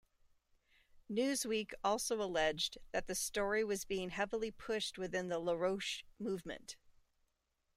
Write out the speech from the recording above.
"Newsweek" also alleged that the story was being heavily pushed within the LaRouche Movement.